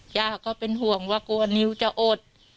ย่าก็เป็นห่วงว่ากลัวนิ้วจะอด